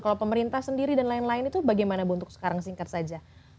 kalau pemerintah sendiri dan lain lain itu bagaimana bu untuk sekarang singkat saja